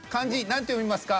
何て読みますか？